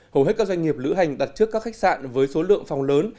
hầu hết các doanh nghiệp lữ hành đặt trước các khách sạn với số lượng phòng lớn